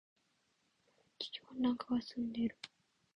地球温暖化が進んでいる。